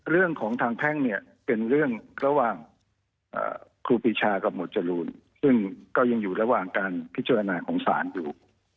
เรื่องของทางแพ่งเนี่ยเป็นเรื่องระหว่างครูปีชากับหมวดจรูนซึ่งก็ยังอยู่ระหว่างการพิจารณาของศาลอยู่